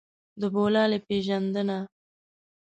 د بوللې پېژندنه.